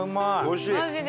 おいしい！